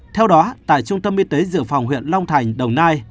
theo đó tại trung tâm y tế dự phòng huyện long thành đồng nai